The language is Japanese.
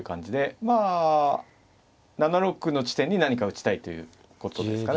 まあ７六の地点に何か打ちたいということですかね。